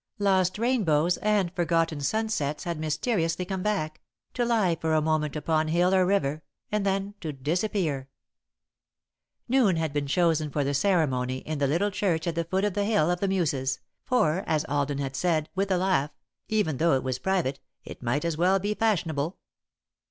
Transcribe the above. Lost rainbows and forgotten sunsets had mysteriously come back, to lie for a moment upon hill or river, and then to disappear. [Sidenote: Making Ready] Noon had been chosen for the ceremony, in the little church at the foot of the Hill of the Muses, for, as Alden had said, with a laugh, "even though it was private, it might as well be fashionable."